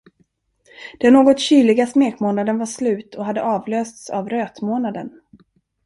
Den något kyliga smekmånaden var slut och hade avlösts av rötmånaden.